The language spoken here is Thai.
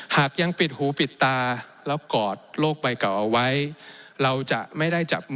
หากยังปิดหูปิดตาแล้วกอดโลกใบเก่าเอาไว้